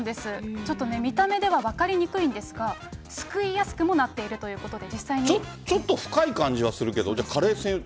ちょっと見た目では分かりにくいんですが、すくいやすくもなってちょっと深い感じはするけど、カレー専用。